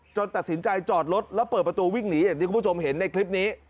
ตัดสินใจจอดรถแล้วเปิดประตูวิ่งหนีอย่างที่คุณผู้ชมเห็นในคลิปนี้